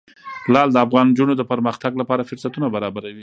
لعل د افغان نجونو د پرمختګ لپاره فرصتونه برابروي.